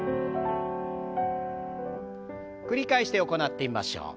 繰り返して行ってみましょう。